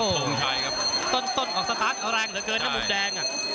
โอ้โหต้นต้นของสตาร์ทเอาแรงเหลือเกินกับมุมแดงอ่ะ